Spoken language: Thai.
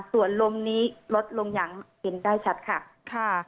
ส่วนลมนี้ลดลงอย่างเห็นได้ชัดค่ะค่ะ